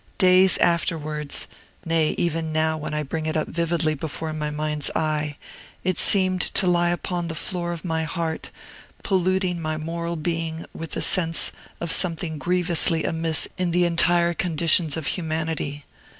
Days afterwards nay, even now, when I bring it up vividly before my mind's eye it seemed to lie upon the floor of my heart, polluting my moral being with the sense of something grievously amiss in the entire conditions of humanity.